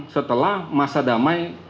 setelah masa damai